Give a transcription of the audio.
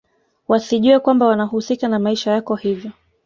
wasijue kwamba wanahusika na maisha yako hivyo